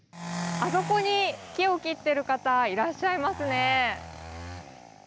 あそこに、木を切ってる方いらっしゃいますね。